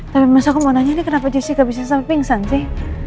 tapi masa aku mau nanya nih kenapa jessi gak bisa sampai pingsan sih